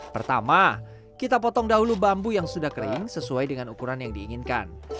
pertama kita potong dahulu bambu yang sudah kering sesuai dengan ukuran yang diinginkan